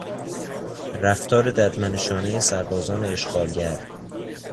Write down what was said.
رفتار ددمنشانهی سربازان اشغالگر